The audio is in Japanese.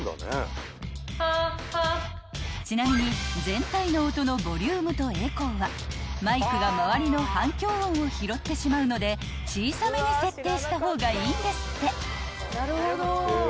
［ちなみに全体の音のボリュームとエコーはマイクが周りの反響音を拾ってしまうので小さめに設定した方がいいんですって］